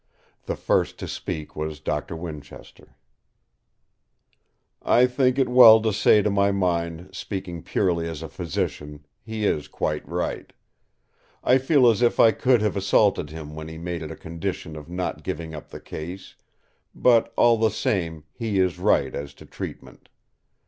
The first to speak was Doctor Winchester: "I think it well to say that to my mind, speaking purely as a physician, he is quite right. I feel as if I could have assaulted him when he made it a condition of not giving up the case; but all the same he is right as to treatment.